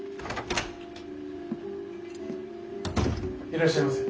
いらっしゃいませ。